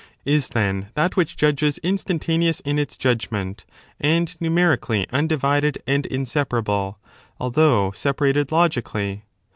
A pro Is, then, that which judges instantaneous in its judgment Maneiaes and numerically undivided and inseparable, although thesis. separated logically?